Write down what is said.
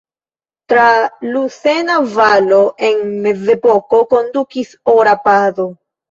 Tra Lusena valo en mezepoko kondukis Ora pado.